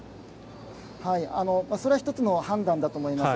それは１つの判断だと思います。